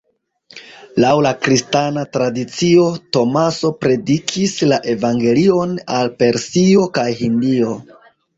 Laŭ la kristana tradicio, Tomaso predikis la evangelion al Persio kaj Hindio.